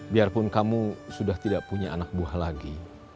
biarpun kamu sudah tidak punya anak buah lagi